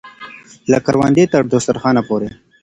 له کروندې تر دسترخانه پورې.